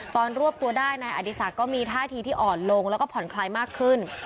รวบตัวได้นายอดีศักดิ์ก็มีท่าทีที่อ่อนลงแล้วก็ผ่อนคลายมากขึ้น